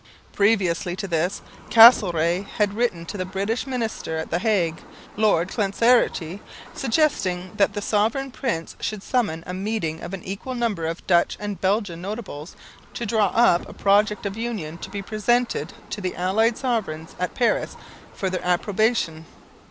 Previously to this, Castlereagh had written to the British Minister at the Hague, Lord Clancarty, suggesting that the Sovereign Prince should summon a meeting of an equal number of Dutch and Belgian notables to draw up a project of union to be presented to the Allied Sovereigns at Paris for their approbation.